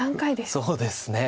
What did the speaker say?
そうですね。